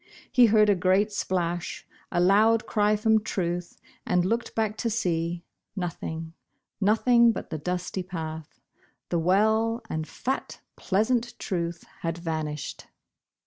He heard a great splash, a loud cry from Truth, and looked back to see — nothing, nothing but the dusty path. The w^ell and fat, pleasant Truth had vanished